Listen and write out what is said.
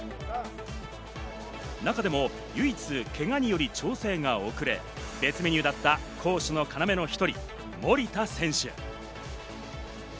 中でも、唯一けがにより調整が遅れ、別メニューだった攻守の要の１人、守田選手。